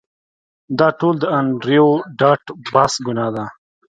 دا ټول د انډریو ډاټ باس ګناه ده